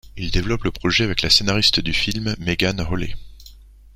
Il développe le projet avec la scénariste du film, Megan Holley.